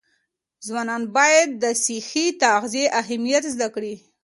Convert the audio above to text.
ځوانان باید د صحي تغذیې اهمیت زده کړي.